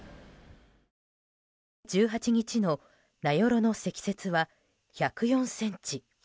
１８日の名寄の積雪は１０４ｃｍ。